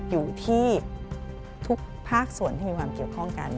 อยู่ที่ทุกภาคส่วนที่มีความเกี่ยวข้องกัน